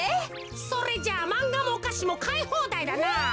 それじゃあまんがもおかしもかいほうだいだな。